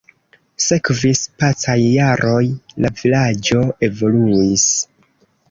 Sekvis pacaj jaroj, la vilaĝo evoluis.